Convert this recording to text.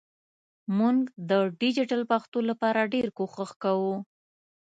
مونږ د ډیجېټل پښتو لپاره ډېر کوښښ کوو